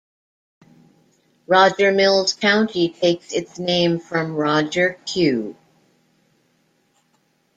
Roger Mills County takes its name from Roger Q.